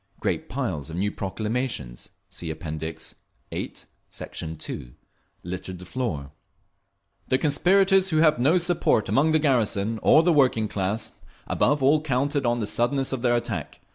Great piles of new proclamations (See App. VIII, Sect. 2) littered the floor: … The conspirators, who have no support among the garrison or the working class, above all counted on the suddenness of their attack.